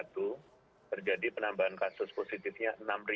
terjadi penambahan kasus positifnya enam satu ratus lima belas